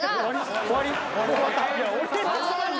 終わり？